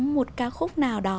một cao khúc nào đó